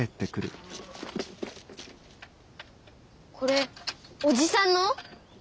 これおじさんの？